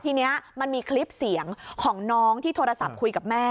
ทีนี้มันมีคลิปเสียงของน้องที่โทรศัพท์คุยกับแม่